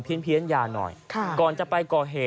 พิ้นเพี้ยนยาหน่อยค่ะก่อนจะไปก่อเห